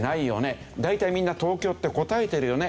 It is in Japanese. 大体みんな東京って答えてるよね。